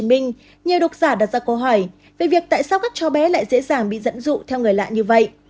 nhiều độc giả đặt ra câu hỏi về việc tại sao các cháu bé lại dễ dàng bị dẫn dụ theo người lạ như vậy